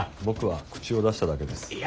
僕は口を出しただけです。